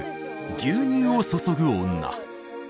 「牛乳を注ぐ女」